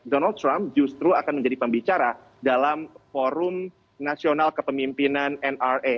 donald trump justru akan menjadi pembicara dalam forum nasional kepemimpinan nra